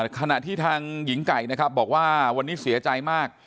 ขณะที่ทางหญิงไก่นะครับบอกว่าวันนี้เสียใจมาก